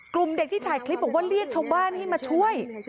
เด็กที่ถ่ายคลิปบอกว่าเรียกชาวบ้านให้มาช่วย